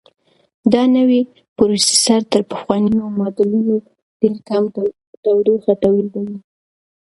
دا نوی پروسیسر تر پخوانیو ماډلونو ډېر کم تودوخه تولیدوي.